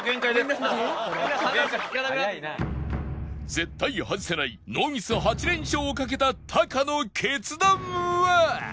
絶対外せないノーミス８連勝をかけたタカの決断は！？